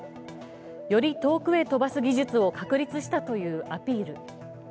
より遠くへ飛ばす技術を確立したというアピール。